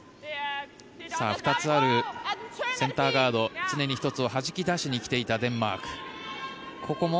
２つあるセンターガード常に１つをはじき出しに来ていたデンマーク。